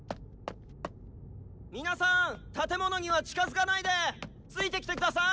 皆さん建物には近づかないでついてきて下さい！